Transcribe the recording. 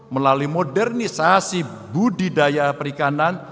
melalui modernisasi budidaya perikanan